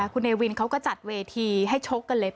คุณเนวินเขาก็จัดเวทีให้ชกกันเลย